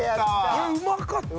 これうまかった。